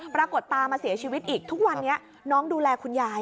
ปรากฏตามาเสียชีวิตอีกทุกวันนี้น้องดูแลคุณยาย